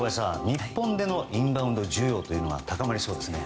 日本でのインバウンド需要が高まりそうですね。